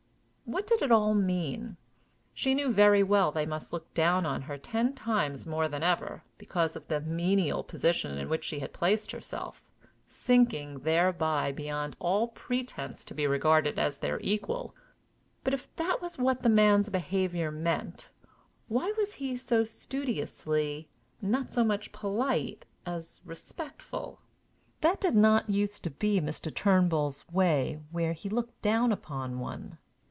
What did it all mean? She knew very well they must look down on her ten times more than ever, because of the menial position in which she had placed herself, sinking thereby beyond all pretense to be regarded as their equal. But, if that was what the man's behavior meant, why was he so studiously not so much polite as respectful? That did not use to be Mr. Turnbull's way where he looked down upon one.